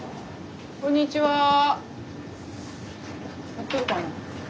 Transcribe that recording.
やってるかな。